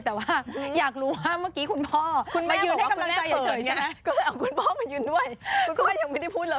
แต่ว่าอยากรู้ว่าเมื่อกี้คุณพ่อ